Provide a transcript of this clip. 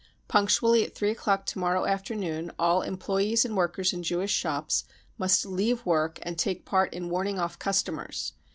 Punctually at three o'clock to morrow afternoon all employees and workers in Jewish shops must leave work and take part in warning off customers.